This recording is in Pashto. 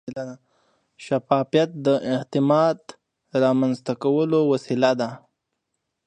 شفافیت د اعتماد رامنځته کولو وسیله ده.